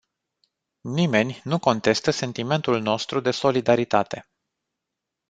Nimeni nu contestă sentimentul nostru de solidaritate.